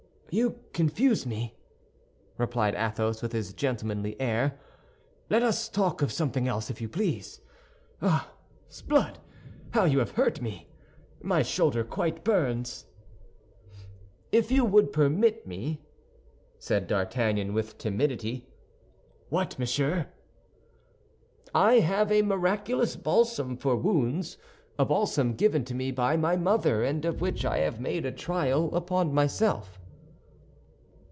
"You confuse me," replied Athos, with his gentlemanly air; "let us talk of something else, if you please. Ah, s'blood, how you have hurt me! My shoulder quite burns." "If you would permit me—" said D'Artagnan, with timidity. "What, monsieur?" "I have a miraculous balsam for wounds—a balsam given to me by my mother and of which I have made a trial upon myself."